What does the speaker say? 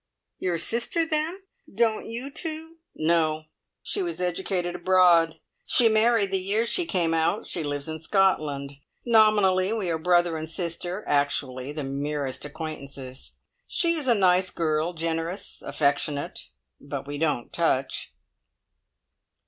"Your sister, then. Don't you two ?" "No. She was educated abroad. She married the year she came out. She lives in Scotland. Nominally we are brother and sister; actually the merest acquaintances. She's a nice girl generous, affectionate. But we don't touch."